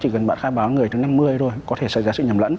chỉ cần bạn khai báo người thứ năm mươi thôi có thể xảy ra sự nhầm lẫn